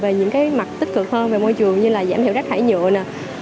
về những mặt tích cực hơn về môi trường như giảm thiểu rác thải nhựa